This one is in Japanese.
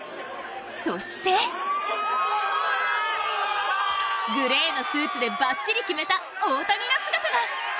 そしてグレーのスーツでばっちり決めた大谷の姿が。